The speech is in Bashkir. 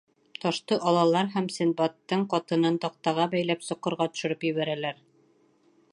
Ташты алалар һәм Синдбадтың ҡатынын таҡтаға бәйләп, соҡорға төшөрөп ебәрәләр.